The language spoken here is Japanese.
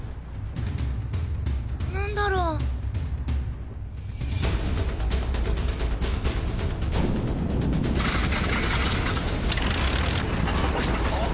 何だろう？クソ！！